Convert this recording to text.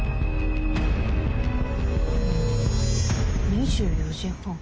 「２４時半」。